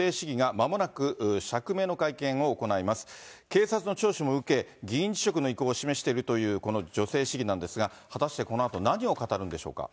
警察の聴取も受け、議員辞職の意向を示しているというこの女性市議なんですが、果たしてこのあと何を語るんでしょうか。